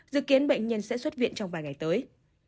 dự kiến bệnh nhân sẽ xuất viện trong vài ngày tới